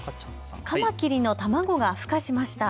カマキリの卵がふ化しました。